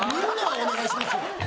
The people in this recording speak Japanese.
お願いしますよ。